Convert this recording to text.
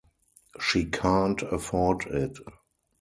She can’t afford it.